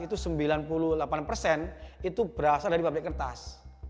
itu sembilan puluh delapan berasal dari pabrik kertas